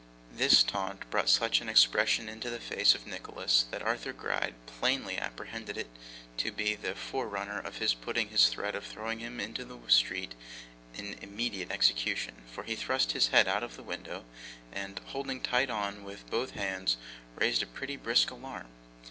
This taunt brought such an expression into the face of Nicholas, that Arthur Gride plainly apprehended it to be the forerunner of his putting his threat of throwing him into the street in immediate execution; for he thrust his head out of the window, and holding tight on with both hands, raised a pretty brisk alarm.